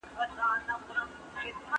آیا بهرنیان د افغان چارمغزو رنګ خوښوي؟.